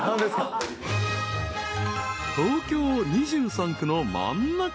［東京２３区の真ん中。